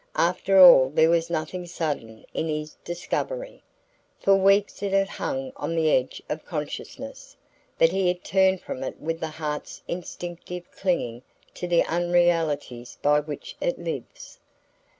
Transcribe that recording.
After all there was nothing sudden in his discovery. For weeks it had hung on the edge of consciousness, but he had turned from it with the heart's instinctive clinging to the unrealities by which it lives.